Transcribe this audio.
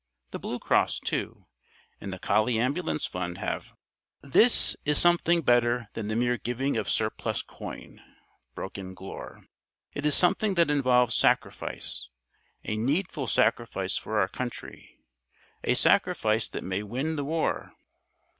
The Blue Cross, too, and the Collie Ambulance Fund have " "This is something better than the mere giving of surplus coin," broke in Glure. "It is something that involves sacrifice. A needful sacrifice for our country. A sacrifice that may win the war."